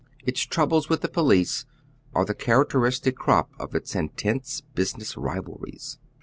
Its troubles with the police are the characteiistic crop of its intense business rivalries.